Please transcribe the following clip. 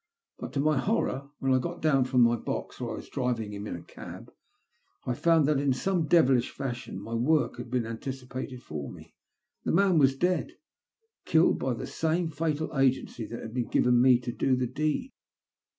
But, to my horror, when I got down from my box — for I was driving him in a cab— I found that in some devilish fashion my work had been anticipated for me — the man was dead, killed hy the same fatal agency that had been given to me to do the deed.